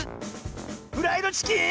フライドチキン⁉